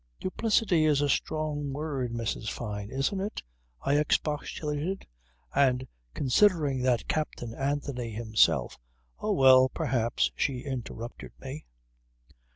"Duplicity is a strong word, Mrs. Fyne isn't it?" I expostulated. "And considering that Captain Anthony himself ..." "Oh well perhaps," she interrupted me.